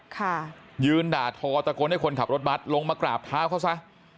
ค่ะยืนด่าทอตะโกนให้คนขับรถบัตรลงมากราบเท้าเขาซะ